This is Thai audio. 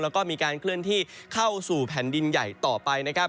แล้วก็มีการเคลื่อนที่เข้าสู่แผ่นดินใหญ่ต่อไปนะครับ